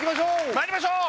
まいりましょう！